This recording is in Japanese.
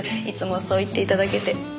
いつもそう言って頂けて。